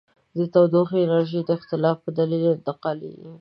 د تودوخې انرژي د اختلاف په دلیل انتقالیږي.